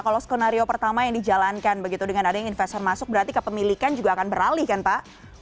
kalau skenario pertama yang dijalankan begitu dengan adanya investor masuk berarti kepemilikan juga akan beralih kan pak